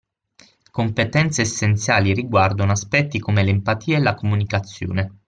Competenze essenziali riguardano aspetti come l’empatia e la comunicazione